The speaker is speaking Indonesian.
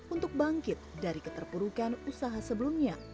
untuk bangkit dari keterpurukan usaha sebelumnya